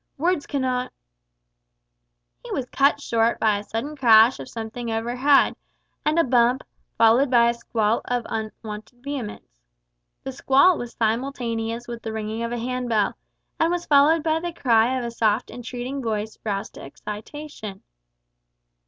Words cannot " He was cut short by a sudden crash of something overhead, and a bump, followed by a squall of unwonted vehemence. The squall was simultaneous with the ringing of a handbell, and was followed by the cry of a soft entreating voice roused to excitation.